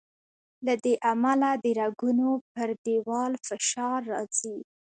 له دې امله د رګونو پر دیوال فشار راځي.